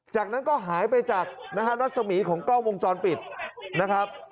จากนั้นก็หายไปจากนะฮะรัศมีของกล้องวงจรปิดนะครับ